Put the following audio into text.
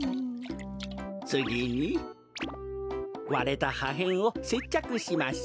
つぎにわれたはへんをせっちゃくします。